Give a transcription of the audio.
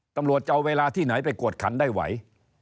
ตำรวจจะเอาเวลาที่ไหนไปกวดขันได้ไหว